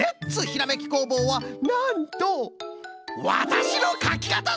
ひらめき工房」はなんと「わたしのかきかた」